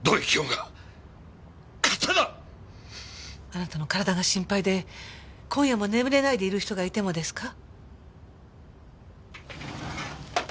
あなたの体が心配で今夜も眠れないでいる人がいてもですか？